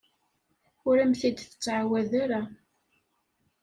Ur am-t-id-tettɛawad ara.